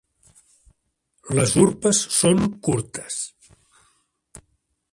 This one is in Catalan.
Les urpes són curtes.